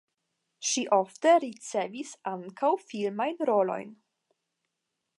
Ŝi ofte ricevis ankaŭ filmajn rolojn.